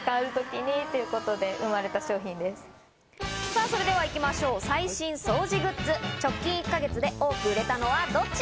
さぁそれでは行きましょう、最新掃除グッズ、直近１か月で多く売れたのはどっち？